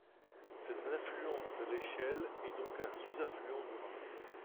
C'est un affluent de l'Eichel et donc un sous-affluent du Rhin.